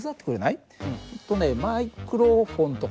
えっとねマイクロフォンとかコード